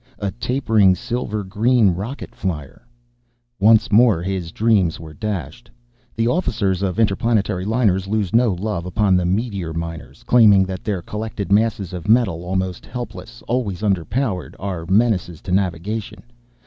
A tapering silver green rocket flier. Once more his dreams were dashed. The officers of interplanetary liners lose no love upon the meteor miners, claiming that their collected masses of metal, almost helpless, always underpowered, are menaces to navigation.